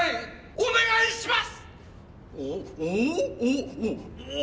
お願いします！